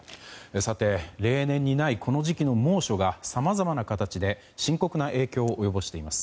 さて例年にない、この時期の猛暑がさまざまな形で深刻な影響を及ぼしています。